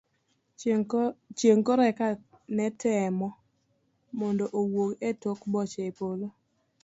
chieng' koro eka netemo mondo owuog e tok boche e polo